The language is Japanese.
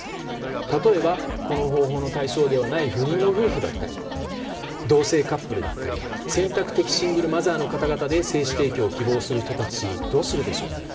例えばこの方法の対象ではない不妊の夫婦だったり同性カップルだったり選択的シングルマザーの方々で精子提供を希望する人たちどうするでしょう。